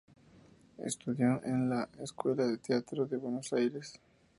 Estudió en la Escuela de Teatro de Buenos Aires.